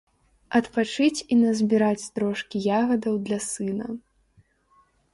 Адпачыць і назбіраць трошкі ягадаў для сына.